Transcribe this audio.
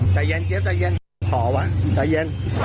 ใจเย็นเจ๊ใจเย็นขอวะใจเย็น